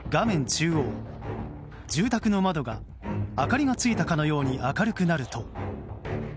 中央、住宅の窓が明かりがついたかのように明るくなると。